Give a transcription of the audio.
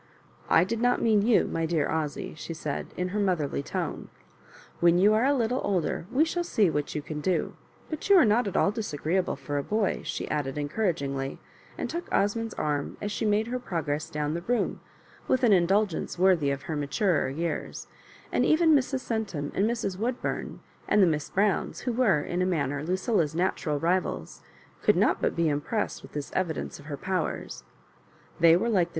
" I did not mean you, my dear Osy," she said, in her motherly tona When you are a little older we shall see what you can do ; but you are not at all disagreeable for a boy," she added, encouragmgly, and took Osmond's arm as she made her progress down the room with an indul gence worthy of her maturer years; and eveo Mrs. Centum and Mi& Woodbum and the Miss Browns, who were, in a manner, Lucilla's natural rivals, could not but be impressed with this evi dence of her powers. They were like the.